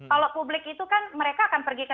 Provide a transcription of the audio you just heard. kalau publik itu kan mereka akan pergi ke